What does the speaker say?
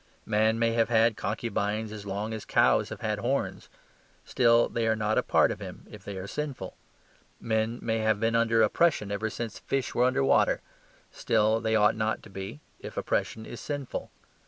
Man may have had concubines as long as cows have had horns: still they are not a part of him if they are sinful. Men may have been under oppression ever since fish were under water; still they ought not to be, if oppression is sinful.